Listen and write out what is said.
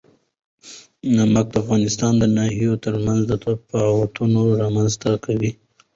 نمک د افغانستان د ناحیو ترمنځ تفاوتونه رامنځ ته کوي.